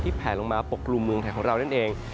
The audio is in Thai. ที่แผ่ลงมาปกรูเมืองไทยของเรานั่นเอง